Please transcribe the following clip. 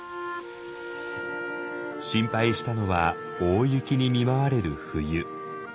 心配したのは大雪に見舞われる冬。